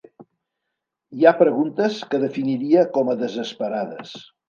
Hi ha preguntes que definiria com a desesperades.